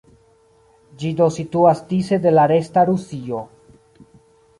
Ĝi do situas dise de la "resta" Rusio.